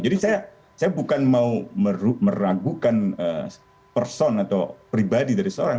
jadi saya bukan mau meragukan person atau pribadi dari seorang